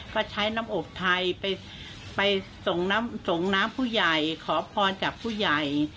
ก็ใช้น้ำอบไทยไปส่งน้ำส่งน้ำผู้ใหญ่ขอพรจากผู้ใหญ่